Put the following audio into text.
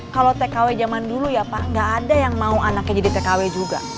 kalau tkw zaman dulu ya pak gak ada yang mau anaknya jadi tkw juga